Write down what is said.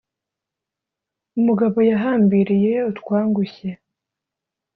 umugabo yahambiriye utwangushye.